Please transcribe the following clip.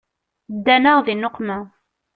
Ddan-aɣ di nneqma.